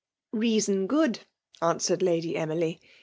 Reason good !" answered Lady Emily..